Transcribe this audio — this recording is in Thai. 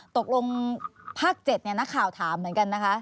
ตกลงภาค๗นักข่าวถามเหมือนกันนะคะ